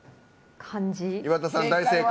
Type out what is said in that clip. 岩田さん、大正解！